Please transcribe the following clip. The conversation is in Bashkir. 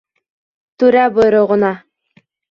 Түрә бойороғона